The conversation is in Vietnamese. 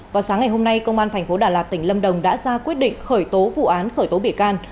vào sáng ngày hôm nay công an tp đà lạt tỉnh lâm đồng đã ra quyết định khởi tố vụ án khởi tố bể can